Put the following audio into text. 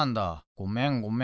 ごめんごめん。